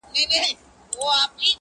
o د لوږي مړ سه، د بل ډوډۍ ته مه گوره.